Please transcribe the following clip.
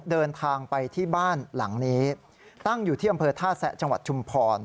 เดินทางไปที่บ้านหลังนี้ตั้งอยู่ที่อำเภอท่าแซะจังหวัดชุมพร